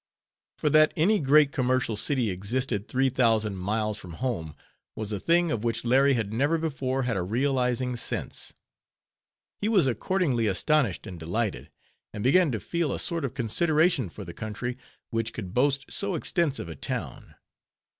For that any great commercial city existed three thousand miles from home, was a thing, of which Larry had never before had a "realizing sense." He was accordingly astonished and delighted; and began to feel a sort of consideration for the country which could boast so extensive a town.